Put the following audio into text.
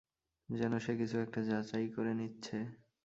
যেন সে কিছু একটা যাচাই করে নিচ্ছে।